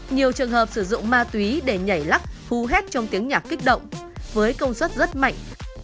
nhiều trường hợp sử dụng ma túy để nhảy lắc phú hét trong tiếng nhạc kích động với công suất rất mạnh